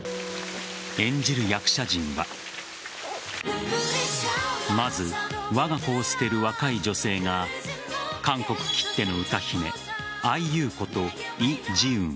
演じる役者陣はまず、わが子を捨てる若い女性が韓国きっての歌姫・ＩＵことイ・ジウン。